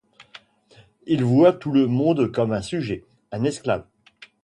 Il voit tout le monde comme un sujet, un esclave.